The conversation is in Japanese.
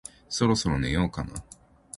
そろそろ寝ようかな